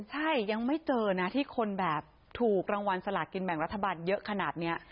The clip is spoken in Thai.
ใช่ยังไม่เจอนะที่คนแบบถูกรางวัลสลากินแบ่งรัฐบาลเยอะขนาดนี้